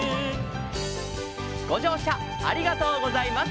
「ごじょうしゃありがとうございます」